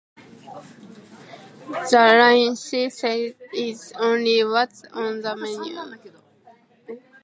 The line she says is: "Only what's on the menu".